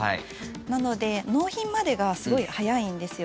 なので納品までがすごい早いんですよ。